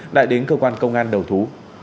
đã đến cơ quan công an đầu thú